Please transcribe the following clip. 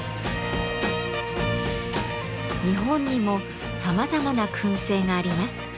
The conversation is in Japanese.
日本にもさまざまな燻製があります。